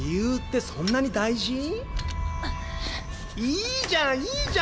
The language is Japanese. いいじゃんいいじゃん！